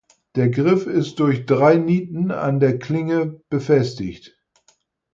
Der Griff ist durch drei Nieten an der Klinge befestigt.